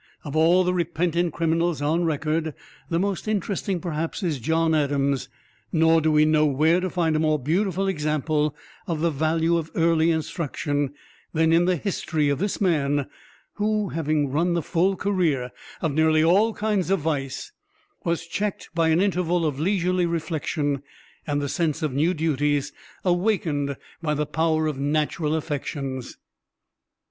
Of all the repentant criminals on record, the most interesting, perhaps, is John Adams; nor do we know where to find a more beautiful example of the value of early instruction than in the history of this man, who, having run the full career of nearly all kinds of vice, was checked by an interval of leisurely reflection, and the sense of new duties awakened by the power of natural affections.